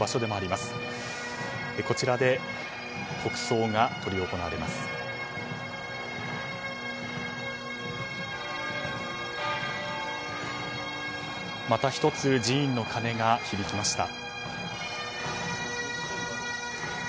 また１つ、寺院の鐘が響きました。